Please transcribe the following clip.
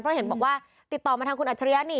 เพราะเห็นบอกว่าติดต่อมาทางคุณอัจฉริยะนี่